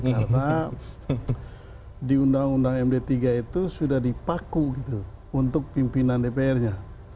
karena di undang undang md tiga itu sudah dipaku untuk pimpinan dpr nya